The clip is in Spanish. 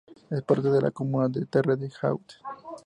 Es parte de la comuna de Terre-de-Haut.